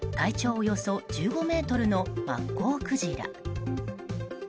およそ１５ｍのマッコウクジラ。